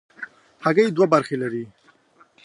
هګۍ دوه برخې لري.